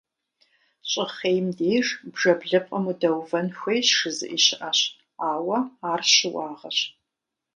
Щӏыхъейм деж бжэ блыпкъым удэувэн хуейщ жызыӏи щыӏэщ, ауэ ар щыуагъэщ.